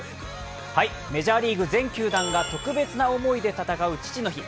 メジャーリーグ全球団が特別な思いで戦う父の日。